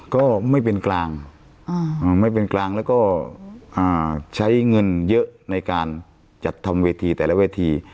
ก็ไม่เป็นกลางไม่เป็นกลางแล้วก็ใช้เงินเยอะในการจัดทำเวทีแต่ละเวที